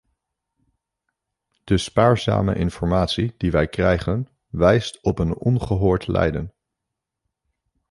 De spaarzame informatie die wij krijgen, wijst op een ongehoord lijden.